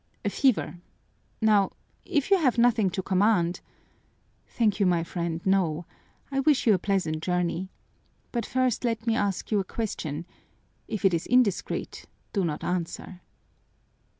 "A fever. Now, if you have nothing to command " "Thank you, my friend, no. I wish you a pleasant journey. But first let me ask you a question if it is indiscreet, do not answer."